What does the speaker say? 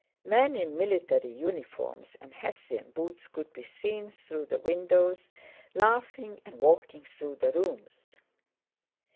Men in military uniforms and Hessian boots could be seen through the windows, laughing and walking through the rooms.